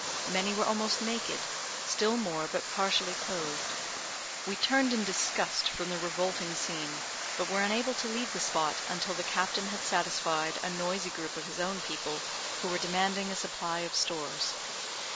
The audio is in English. Many were almost naked, still more but partially clothed. We turned in disgust from the revolting scene, but were unable to leave the spot until the captain had satisfied a noisy group of his own people, who were demanding a supply of stores.